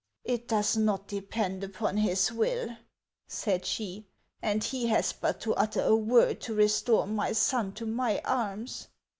" It does not depend upon his will !" said she ;" and he has but to utter a word to restore my son to my arms